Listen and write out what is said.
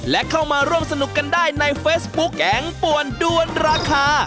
และเข้ามาร่วมสนุกกันได้ในเฟซบุ๊คแกงป่วนด้วนราคา